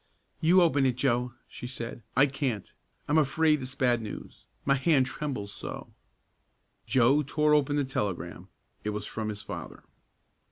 "You open it, Joe," she said. "I can't. I'm afraid it's bad news. My hand trembles so." Joe tore open the telegram. It was from his father.